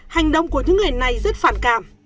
hành động của những người này rất phản cảm